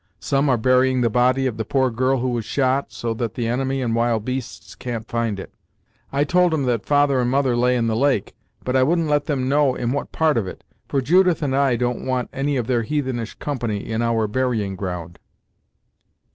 Some are burying the body of the poor girl who was shot, so that the enemy and the wild beasts can't find it. I told 'em that father and mother lay in the lake, but I wouldn't let them know in what part of it, for Judith and I don't want any of their heathenish company in our burying ground."